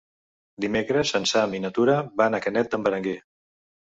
Dimecres en Sam i na Tura van a Canet d'en Berenguer.